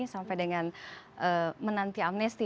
sampai dengan menanti amnesti